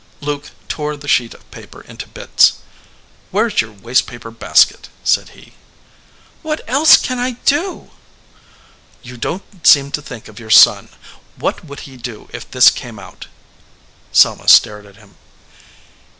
Luke tore the sheet of paper into bits. "Where s your waste paper basket ?" said he. "What else can I do?" "You don t seem to think of your son. What would he do if this came out?" Selma stared at him.